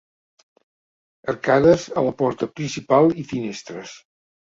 Arcades a la porta principal i finestres.